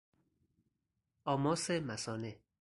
آماس مثانه